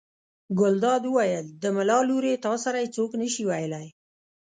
ګلداد وویل: د ملا لورې تا سره یې څوک نه شي ویلی.